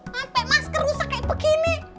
sampai masker rusak kayak begini